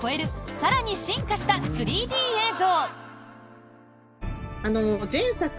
更に進化した３Ｄ映像。